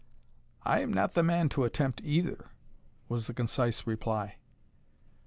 "I am not the man to attempt either," was the concise reply.